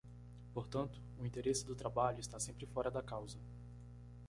Portanto, o interesse do trabalho está sempre fora da causa.